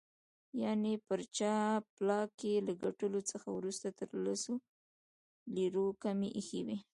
یعني پر جاپلاک یې له ګټلو څخه وروسته تر لسو لیرو کمې ایښي وې.